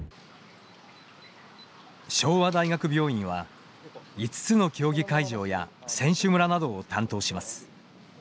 昭和大学病院は５つの競技会場や選手村などを担当します。